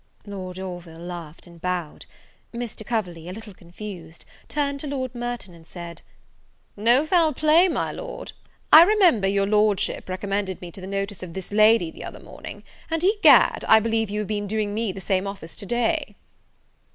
Lord Orville laughed and bowed. Mr. Coverley, a little confused, turned to Lord Merton, and said, "No foul play, my Lord! I remember your Lordship recommended me to the notice of this lady the other morning, and, egad, I believe you have been doing me the same office to day."